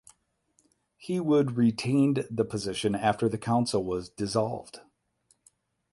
He would retained the position after the council was dissolved.